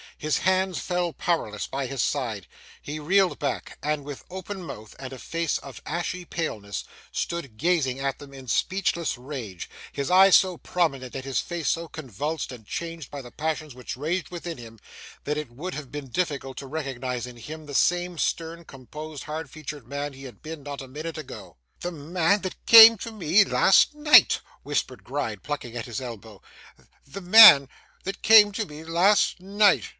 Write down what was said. His hands fell powerless by his side, he reeled back; and with open mouth, and a face of ashy paleness, stood gazing at them in speechless rage: his eyes so prominent, and his face so convulsed and changed by the passions which raged within him, that it would have been difficult to recognise in him the same stern, composed, hard featured man he had been not a minute ago. 'The man that came to me last night,' whispered Gride, plucking at his elbow. 'The man that came to me last night!